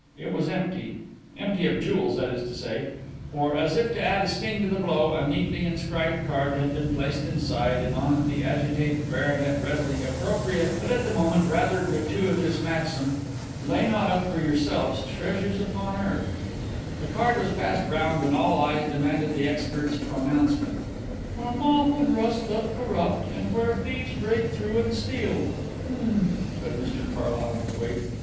It was empty empty of jewels, that is to say, for, as if to add a sting to the blow, a neatly inscribed card had been placed inside, and on it the agitated baronet read the appropriate but at the moment rather gratuitous maxim: "Lay not up for yourselves treasures upon earth " The card was passed round and all eyes demanded the expert's pronouncement. "' where moth and rust doth corrupt and where thieves break through and steal.' H'm," read Mr Carlyle with weight.